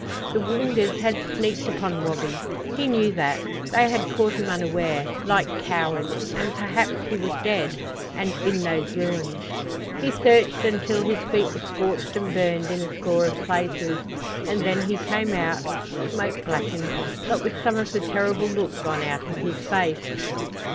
The Woongas had sneaked upon Wabi. He knew that. They had caught him unaware, like cowards; and perhaps he was dead and in those ruins! He searched until his feet were scorched and burned in a score of places, and then he came out, smoke blackened, but with some of the terrible look gone out of his face.